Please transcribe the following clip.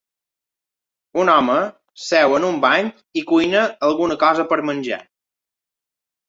Un home seu en un banc i cuina alguna cosa per menjar.